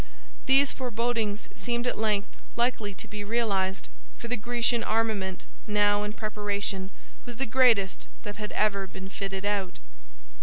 These forebodings seemed at length likely to be realized, for the Grecian armament now in preparation was the greatest that had ever been fitted out.